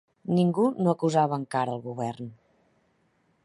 Ningú no acusava encara el Govern